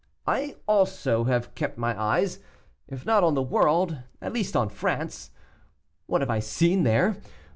I also have kept my eyes, if not on the world, at least on France. What have I seen there?